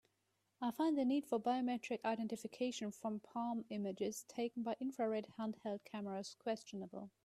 I find the need for biometric identification from palm images taken by infrared handheld camera questionable.